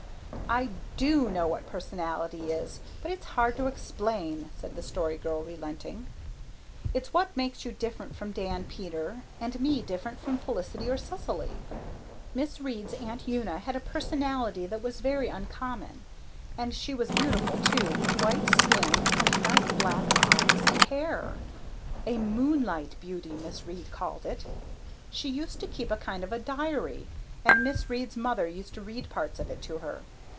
"I DO know what personality is, but it's hard to explain," said the Story Girl, relenting. "It's what makes you different from Dan, Peter, and me different from Felicity or Cecily. Miss Reade's Aunt Una had a personality that was very uncommon. And she was beautiful, too, with white skin and night black eyes and hair a 'moonlight beauty,' Miss Reade called it. She used to keep a kind of a diary, and Miss Reade's mother used to read parts of it to her.